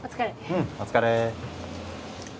うんお疲れ。